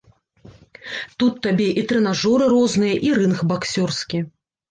Тут табе і трэнажоры розныя, і рынг баксёрскі.